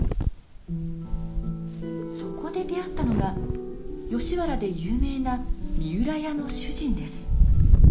そこで出会ったのが吉原で有名な三浦屋の主人です。